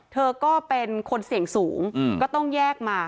เธอก็เป็นคนเสี่ยงสูงก็ต้องแยกมา